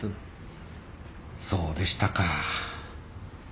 そうでしたか。